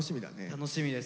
楽しみですね。